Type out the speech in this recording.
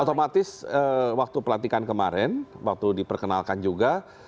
otomatis waktu pelantikan kemarin waktu diperkenalkan juga